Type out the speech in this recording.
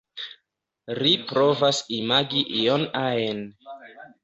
Ri provas imagi ion ajn.